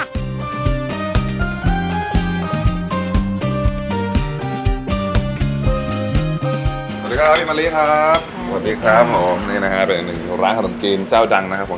สวัสดีครับพี่มะลิครับสวัสดีครับผมนี่นะฮะเป็นอีกหนึ่งร้านขนมจีนเจ้าดังนะครับผม